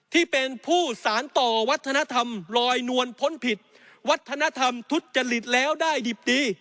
ที่เป็นผู้สารต่อวัฒนธรรมลอยนวลพ้นผิดวัฒนธรรมทุจริตแล้วได้ดิบดี